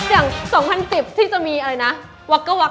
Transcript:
อย่าง๒๐๑๐ที่จะมีวักกะ